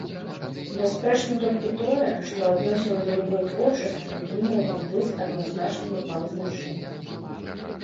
Бясспрэчна толькі тое, што адносіны да любой творчасці не могуць быць адназначнымі па вызначэнні.